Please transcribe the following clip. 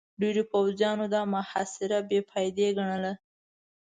ډېرو پوځيانو دا محاصره بې فايدې ګڼله.